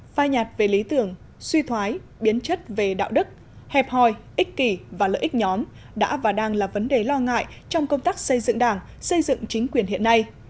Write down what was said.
pha nhạt về lý tưởng suy thoái biến chất về đạo đức hẹp hòi ích kỳ và lợi ích nhóm đã và đang là vấn đề lo ngại trong công tác xây dựng đảng xây dựng chính quyền hiện nay